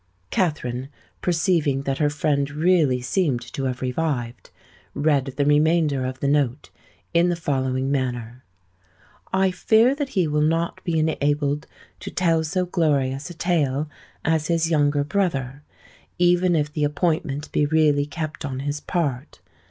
Katherine, perceiving that her friend really seemed to have revived, read the remainder of the note in the following manner:— "I fear that he will not be enabled to tell so glorious a tale as his younger brother,—even if the appointment be really kept on his part!